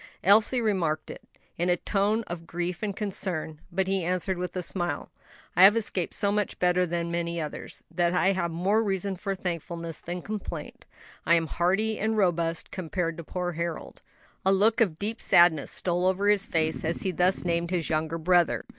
Elsie remarked it, in a tone of grief and concern; but he answered with a smile, "I have escaped so much better than many others, that I have more reason for thankfulness than complaint. I am hearty and robust compared to poor Harold." A look of deep sadness stole over his face as he thus named his younger brother.